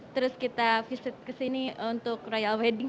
terus kita visit ke sini untuk royal wedding